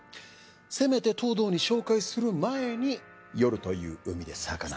せめて東堂に紹介する前に夜という海で魚に。